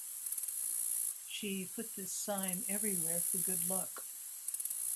She put this sign everywhere for good luck.